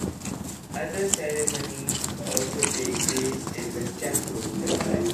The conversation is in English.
Other ceremonies also take place in the chapel.